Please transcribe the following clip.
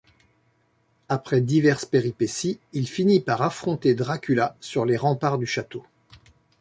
Après diverses péripéties, il finit par affronter Dracula sur les remparts du château.